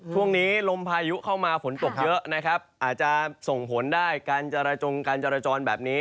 ช่วงนี้ลมพายุเข้ามาฝนตกเยอะนะครับอาจจะส่งผลได้การจรจงการจรจรแบบนี้